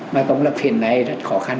mà công lập phiền này rất khó khăn